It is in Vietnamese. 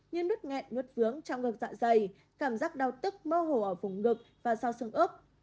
như nứt nghẹn nút vướng trong ngực dạ dày cảm giác đau tức mơ hồ ở vùng ngực và sau sương ướp